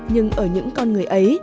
nhưng ở những con người ấy